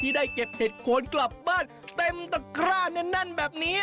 ที่ได้เก็บเหตุคนกลับบ้านเต็มตะคร่าแบบนี้